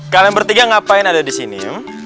kalian bertiga ngapain ada di sini